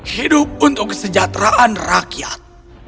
hidup untuk kesejahteraan rakyat